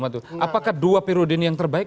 apakah dua periode ini yang terbaik